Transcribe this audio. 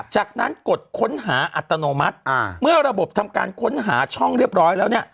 จากนั้นกดค้นหาอัตโนมัติเมื่อระบบทำการค้นหาช่องเรียบร้อยแล้วเนี่ย